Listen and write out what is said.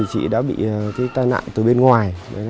chị đã bị tai nạn từ bên ngoài